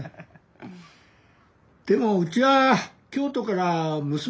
でもうちは京都から娘が来た。